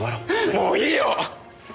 もういいよ！